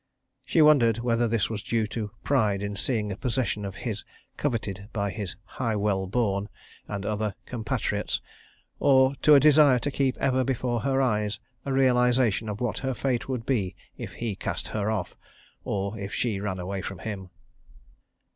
She wondered whether this was due to pride in seeing a possession of his coveted by his "high well born," and other, compatriots, or to a desire to keep ever before her eyes a realisation of what her fate would be if he cast her off, or she ran away from him.